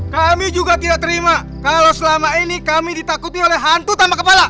kami juga tidak terima kalau selama ini kami ditakuti oleh hantu tanpa kepala